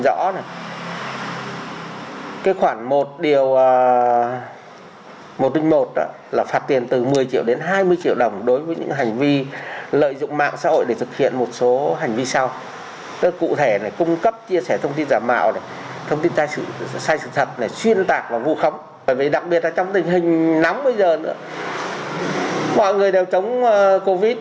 bởi vì đặc biệt trong tình hình nóng bây giờ nữa mọi người đều chống covid